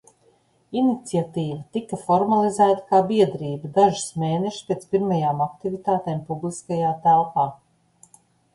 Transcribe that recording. Iniciatīva tika formalizēta kā biedrība dažus mēnešus pēc pirmajām aktivitātēm publiskajā telpā.